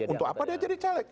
untuk apa dia jadi caleg